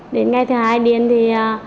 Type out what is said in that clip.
đến ngày thứ hai điên thì